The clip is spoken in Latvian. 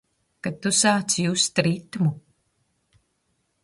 Kad tu sāc just ritmu.